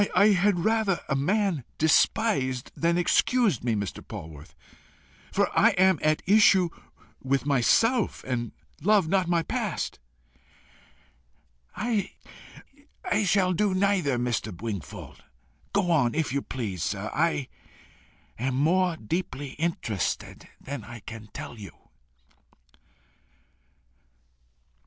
I had rather a man despised than excused me, Mr. Polwarth, for I am at issue with myself, and love not my past." "I shall do neither, Mr. Wingfold. Go on, if you please, sir. I am more deeply interested than I can tell you."